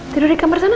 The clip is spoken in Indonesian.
tidur di kamar sana